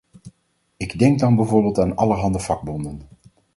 Ik denk dan bijvoorbeeld aan allerhande vakbonden.